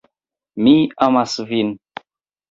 Mi amas vin!